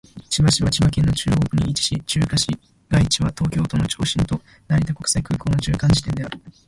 千葉市は千葉県の中央部に位置し、中心市街地は東京都の都心と成田国際空港の中間地点である。